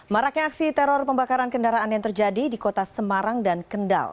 maraknya aksi teror pembakaran kendaraan yang terjadi di kota semarang dan kendal